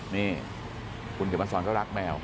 นี่คนคนเขียวมาสอนเขารักแมว